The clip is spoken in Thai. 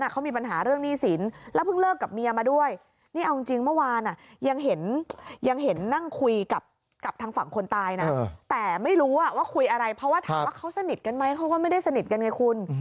เขาสนิทกันไหมเขาก็ไม่ได้สนิทกันไงคุณ